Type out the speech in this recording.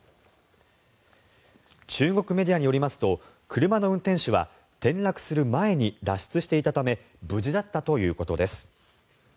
中国メディアによりますと車の運転手は転落する前に脱出していたため無事だったということです。